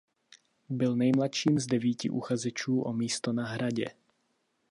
Byl nejmladším z devíti uchazečů o místo na Hradě.